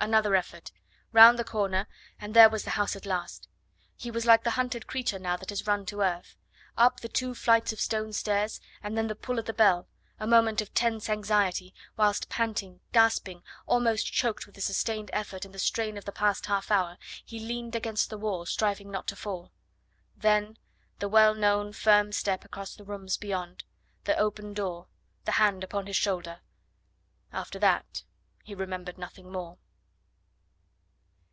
Another effort; round the corner, and there was the house at last. He was like the hunted creature now that has run to earth. Up the two flights of stone stairs, and then the pull at the bell; a moment of tense anxiety, whilst panting, gasping, almost choked with the sustained effort and the strain of the past half hour, he leaned against the wall, striving not to fall. Then the well known firm step across the rooms beyond, the open door, the hand upon his shoulder. After that he remembered nothing more.